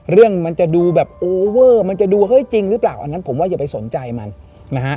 เรื่องมันจะดูแบบโอเวอร์มันจะดูเฮ้ยจริงหรือเปล่าอันนั้นผมว่าอย่าไปสนใจมันนะฮะ